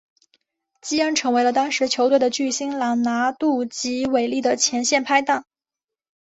基恩成为了当时球队的巨星朗拿度及韦利的前线拍挡。